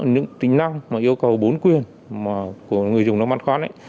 những tính năng mà yêu cầu bốn quyền của người dùng nông mặt khoan ấy